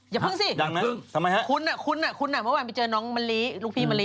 อย่าเพิ่งสิคุณมันวานไปเจองังตำนุ่มนลี